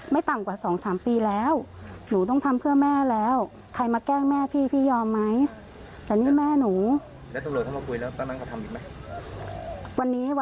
ไม่แล้วออกมานี่ไม่มีขันไหนบีบแต่มีมันขันเดียว